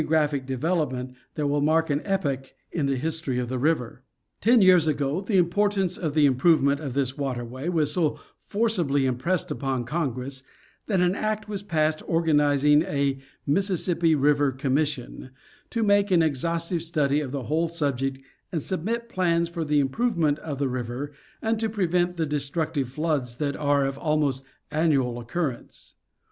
graphic development that will mark an epoch in the history of the river. Ten years ago the importance of the improvement of this water way was so forcibly impressed upon Congress, that an act was passed organizing a " Mississippi River Commission," to make an exhaustive study of the whole subject and submit plans for the improvement of the river and to prevent the destructive floods that are of almost annual occurrence.